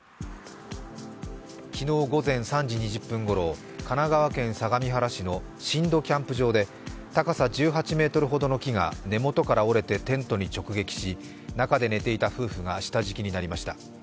昨日午前３時２０分ごろ、神奈川県相模原市の新戸キャンプ場で高さ１８ｍほどの木が根元から折れてテントに直撃し中で寝ていた夫婦が下敷きになりました。